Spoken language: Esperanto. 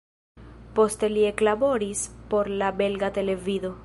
Poste li eklaboris por la belga televido.